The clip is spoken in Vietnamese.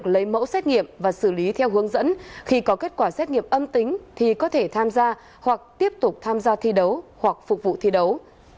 các trường hợp có xét nghiệm và xử lý theo hướng dẫn khi có kết quả xét nghiệm âm tính thì có thể tham gia hoặc tiếp tục tham gia thi đấu hoặc phục vụ thi đấu